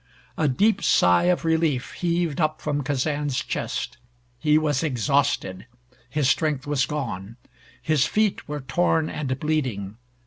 A deep sigh of relief heaved up from Kazan's chest. He was exhausted. His strength was gone. His feet were torn and bleeding.